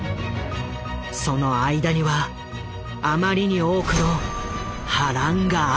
その間にはあまりに多くの波乱があった。